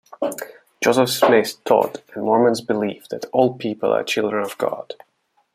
Joseph Smith taught, and Mormons believe, that all people are children of God.